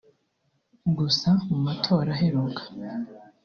Gusa mu matora aheruka